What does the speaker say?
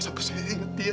sampai saya ingat dia